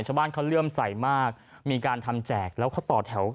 ชาวบ้านเขาเลื่อมใสมากมีการทำแจกแล้วเขาต่อแถว